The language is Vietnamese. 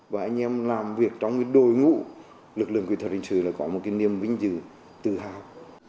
và anh em làm việc trong cái đôi ngũ lực lượng kỹ thuật hình sự là có một cái niềm vinh dự tự hào